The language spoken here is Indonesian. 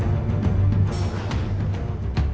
lalu bagaimana dengan mario dendi usai sida